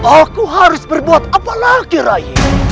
aku harus berbuat apa lagi ray